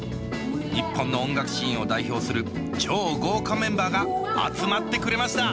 日本の音楽シーンを代表する超豪華メンバーが集まってくれました